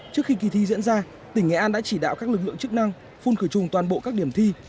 trước khi kỳ thi diễn ra tỉnh nghệ an đã chỉ đạo các lực lượng chức năng phun khử trùng toàn bộ các điểm thi